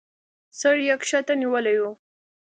سر يې کښته نيولى و.